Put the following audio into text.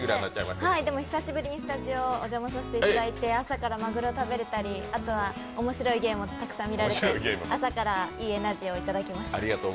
久しぶりにスタジオにお邪魔させていただいて朝からマグロ、食べれたり、面白いゲームも見れたり朝からいいエナジーをいただきました。